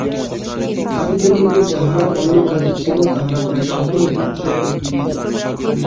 তাঁতিদের মধ্যে যাহারা অন্য কাজে ছিল তাহারা প্রায় সকলে তাঁতে ফিরিল।